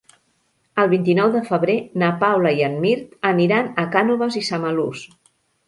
El vint-i-nou de febrer na Paula i en Mirt aniran a Cànoves i Samalús.